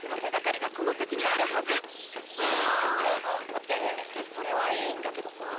ってそれはいいんだけどさ。